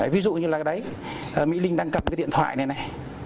ví dụ như là đấy mỹ linh đang cầm cái điện thoại này này